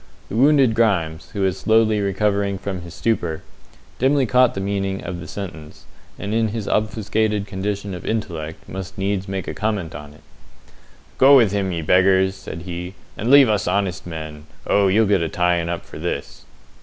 The wounded Grimes, who was slowly recovering from his stupor, dimly caught the meaning of the sentence, and in his obfuscated condition of intellect must needs make comment upon it. "Go with him, ye beggars!" said he, "and leave us honest men! Oh, ye'll get a tying up for this."